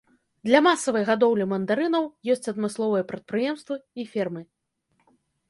Для масавай гадоўлі мандарынаў ёсць адмысловыя прадпрыемствы і фермы.